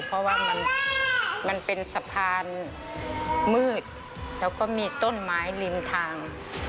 เพราะว่ามันเป็นสะพานมืดแล้วก็มีต้นไม้ริมทาง